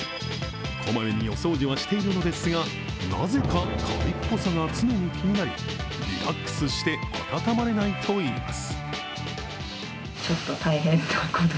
こまめにお掃除はしているのですがなぜか、カビっぽさが常に気になりリラックスして温まれないといいます。